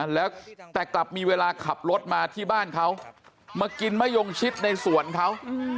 แล้วแต่กลับมีเวลาขับรถมาที่บ้านเขามากินมะยงชิดในสวนเขา